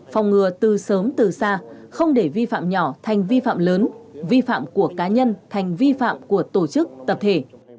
phòng ngừa từ sớm từ xa không để vi phạm nhỏ thành vi phạm lớn vi phạm của cá nhân thành vi phạm của tổ chức tập thể